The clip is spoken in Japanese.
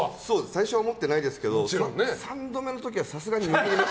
最初は思ってないですけど３度目の時は、さすがに。